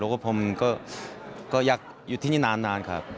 แล้วก็ผมก็อยากอยู่ที่นี่นานครับ